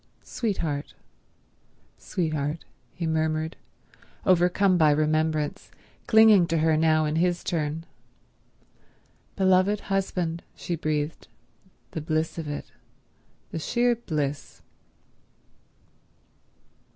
"Sweetheart—sweetheart," he murmured, overcome by remembrance, clinging to her now in his turn. "Beloved husband," she breathed—the bliss of it—the sheer bliss